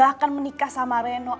aku ga akan menikah sama reno